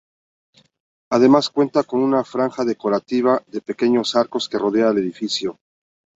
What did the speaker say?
Además cuenta con una franja decorativa de pequeños arcos, que rodea al edificio.